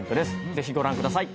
ぜひご覧ください。